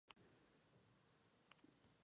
Ha recibido críticas variadas.